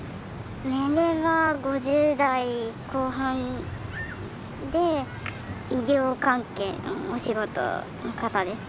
年齢は５０代後半で医療関係のお仕事の方ですね。